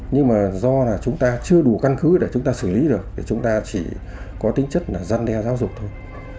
nhưng mà do là chúng ta chưa đủ căn cứ để chúng ta xử lý được để chúng ta chỉ có tính chất là giăn đeo giáo dục thôi